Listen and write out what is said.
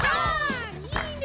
いいね！